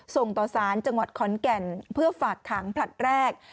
ส่งต่อสารจังหวัดขอนแก่นเพื่อฝากขังผลัดแรก